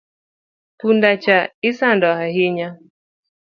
Punda cha isando ahinya